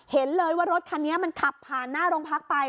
เห็นเลยว่ารถคันนี้มันขับผ่านหน้าโรงพักไป